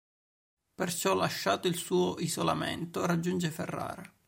Perciò, lasciato il suo isolamento, raggiunge Ferrara.